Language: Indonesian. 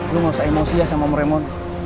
lo gak usah emosi ya sama om raymond